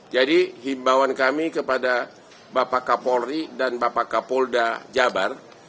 jadi himbauan kami kepada bapak kapolri dan bapak kapolda jabar